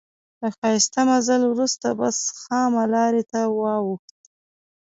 له ښایسته مزل وروسته بس خامه لارې ته واوښت.